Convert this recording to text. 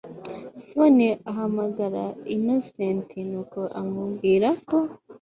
phone ahamagara Innocent nuko amubwira ko